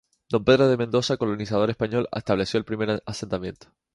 Don Pedro de Mendoza, colonizador español, estableció el primer asentamiento.